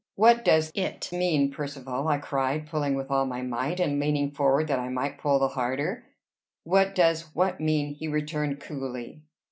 "What does it mean, Percivale?" I cried, pulling with all my might, and leaning forward that I might pull the harder. "What does what mean?" he returned coolly.